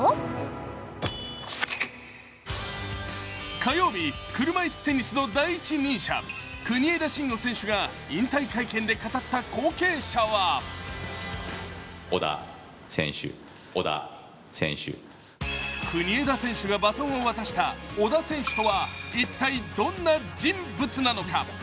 火曜日、車いすテニスの第一人者国枝慎吾選手が引退会見で語った後継者は国枝選手がバトンを渡した小田選手とは一体どんな人物なのか？